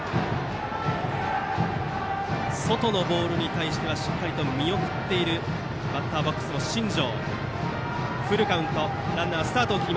外のボールに対してはしっかりと見送っているバッターボックスの新庄。